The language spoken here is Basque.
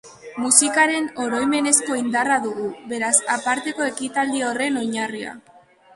Musikaren oroimenezko indarra dugu, beraz, aparteko ekitaldi horren oinarria.